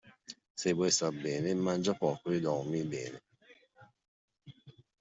Se vuoi star bene, mangia poco e dormi bene.